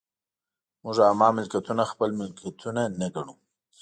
موږ عامه ملکیتونه خپل ملکیتونه نه ګڼو.